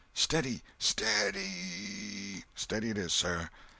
"Steady, steady y y y!" "Steady it is, sir!"